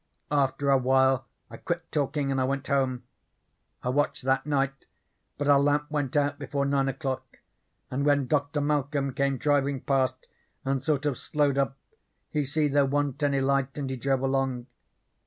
After awhile I quit talkin' and I went home. I watched that night, but her lamp went out before nine o'clock, and when Doctor Malcom came drivin' past and sort of slowed up he see there wa'n't any light and he drove along.